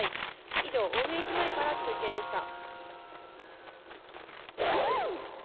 以上、青梅駅前から中継でした。